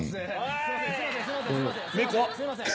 すいません。